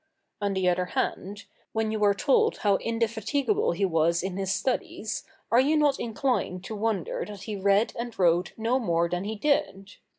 On the other hand, when you are told how indefatigable he was in his studies, are you not inclined to wonder that he read and wrote no more than he did?